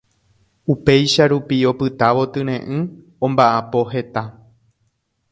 upéicha rupi opytávo tyre'ỹ omba'apo heta